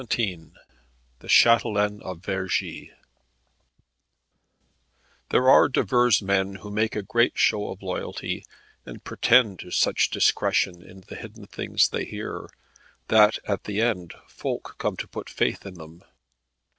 XVII THE CHATELAINE OF VERGI There are divers men who make a great show of loyalty, and pretend to such discretion in the hidden things they hear, that at the end folk come to put faith in them.